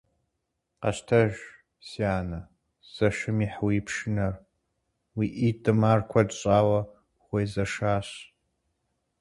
Къэщтэж, си анэ, зэшым ихь уи пшынэр, уи ӀитӀым ар куэд щӀауэ хуезэшащ.